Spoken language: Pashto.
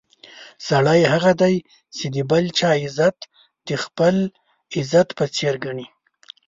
سړی هغه دی چې د بل چا عزت د خپل عزت په څېر ګڼي.